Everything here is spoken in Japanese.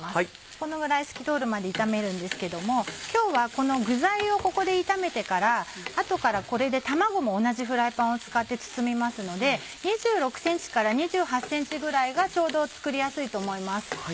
このぐらい透き通るまで炒めるんですけども今日はこの具材をここで炒めてから後からこれで卵も同じフライパンを使って包みますので２６ｃｍから２８ｃｍぐらいがちょうど作りやすいと思います。